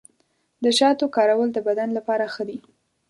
د شاتو کارول د بدن لپاره ښه دي.